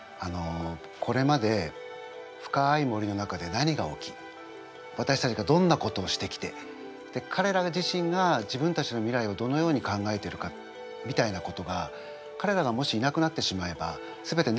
これまで深い森の中で何が起きわたしたちがどんなことをしてきてかれら自身が自分たちの未来をどのように考えてるかみたいなことがかれらがもしいなくなってしまえばすべてなかったことになるんですよ。